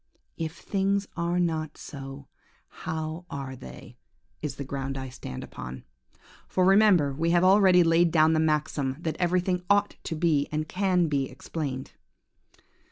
If things are not so, how are they? is the ground I stand upon. For remember we have already laid down the maxim, that everything ought to be and can be explained.